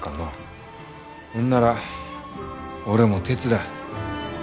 ほんなら俺も手伝う。